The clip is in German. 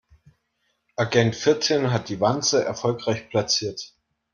Agent vierzehn hat die Wanze erfolgreich platziert.